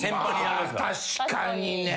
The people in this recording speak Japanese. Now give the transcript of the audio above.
確かにね。